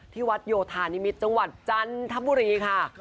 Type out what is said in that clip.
ที่วัดโยธานิมิตรจังหวัดจันทบุรีค่ะ